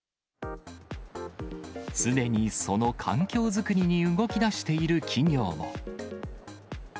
すでにその環境作りに動きだしている企業も。